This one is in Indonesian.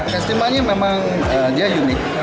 festivalnya memang unik